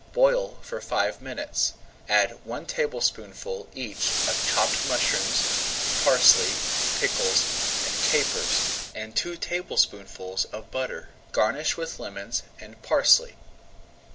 Boil for five minutes, add one tablespoonful each of chopped mushrooms, parsley, pickles, and capers, and two tablespoonfuls of butter. Garnish with lemons and parsley.